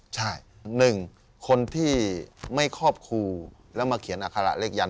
ใช่๑คนที่ไม่ครอบครูแล้วมาเขียนอัคระเลขยัน